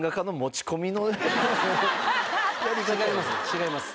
違います